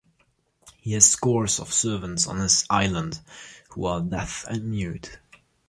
He has scores of servants on his island, who are deaf and mute.